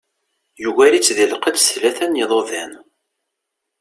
Yugar-itt di lqedd s tlata n yiḍudan.